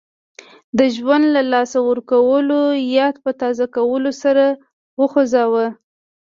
د ژوند له لاسه ورکولو یاد په تازه کولو سر وخوځاوه.